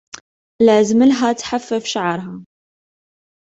لازمّلها تحفّف شعرها.